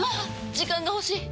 時間が欲しい！